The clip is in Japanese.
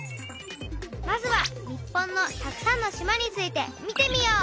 まずは「日本のたくさんの島」について見てみよう。